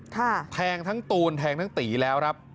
แทงทั้งตูนแทงทั้งตีแล้วครับ